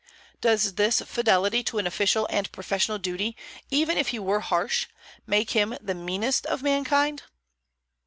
Does this fidelity to an official and professional duty, even if he were harsh, make him "the meanest of mankind"?